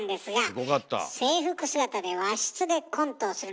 すごかった。